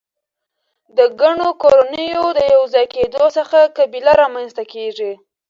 د ګڼو کورنیو د یو ځای کیدو څخه قبیله رامنځ ته کیږي.